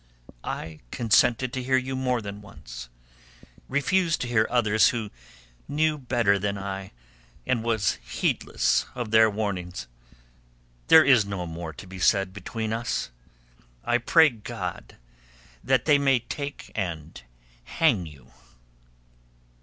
"I consented to hear you more than once; refused to hear others who knew better than I, and was heedless of their warnings. There is no more to be said between us. I pray God that they may take and hang you."